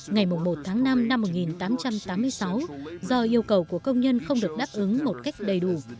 ngày một tháng năm năm một nghìn tám trăm tám mươi sáu do yêu cầu của công nhân không được đáp ứng một cách đầy đủ